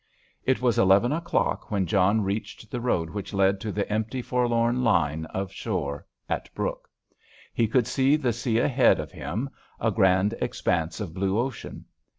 It was eleven o'clock when John reached the road which led to the empty, forlorn line of shore at Brooke. He could see the sea ahead of him, a grand expanse of blue ocean.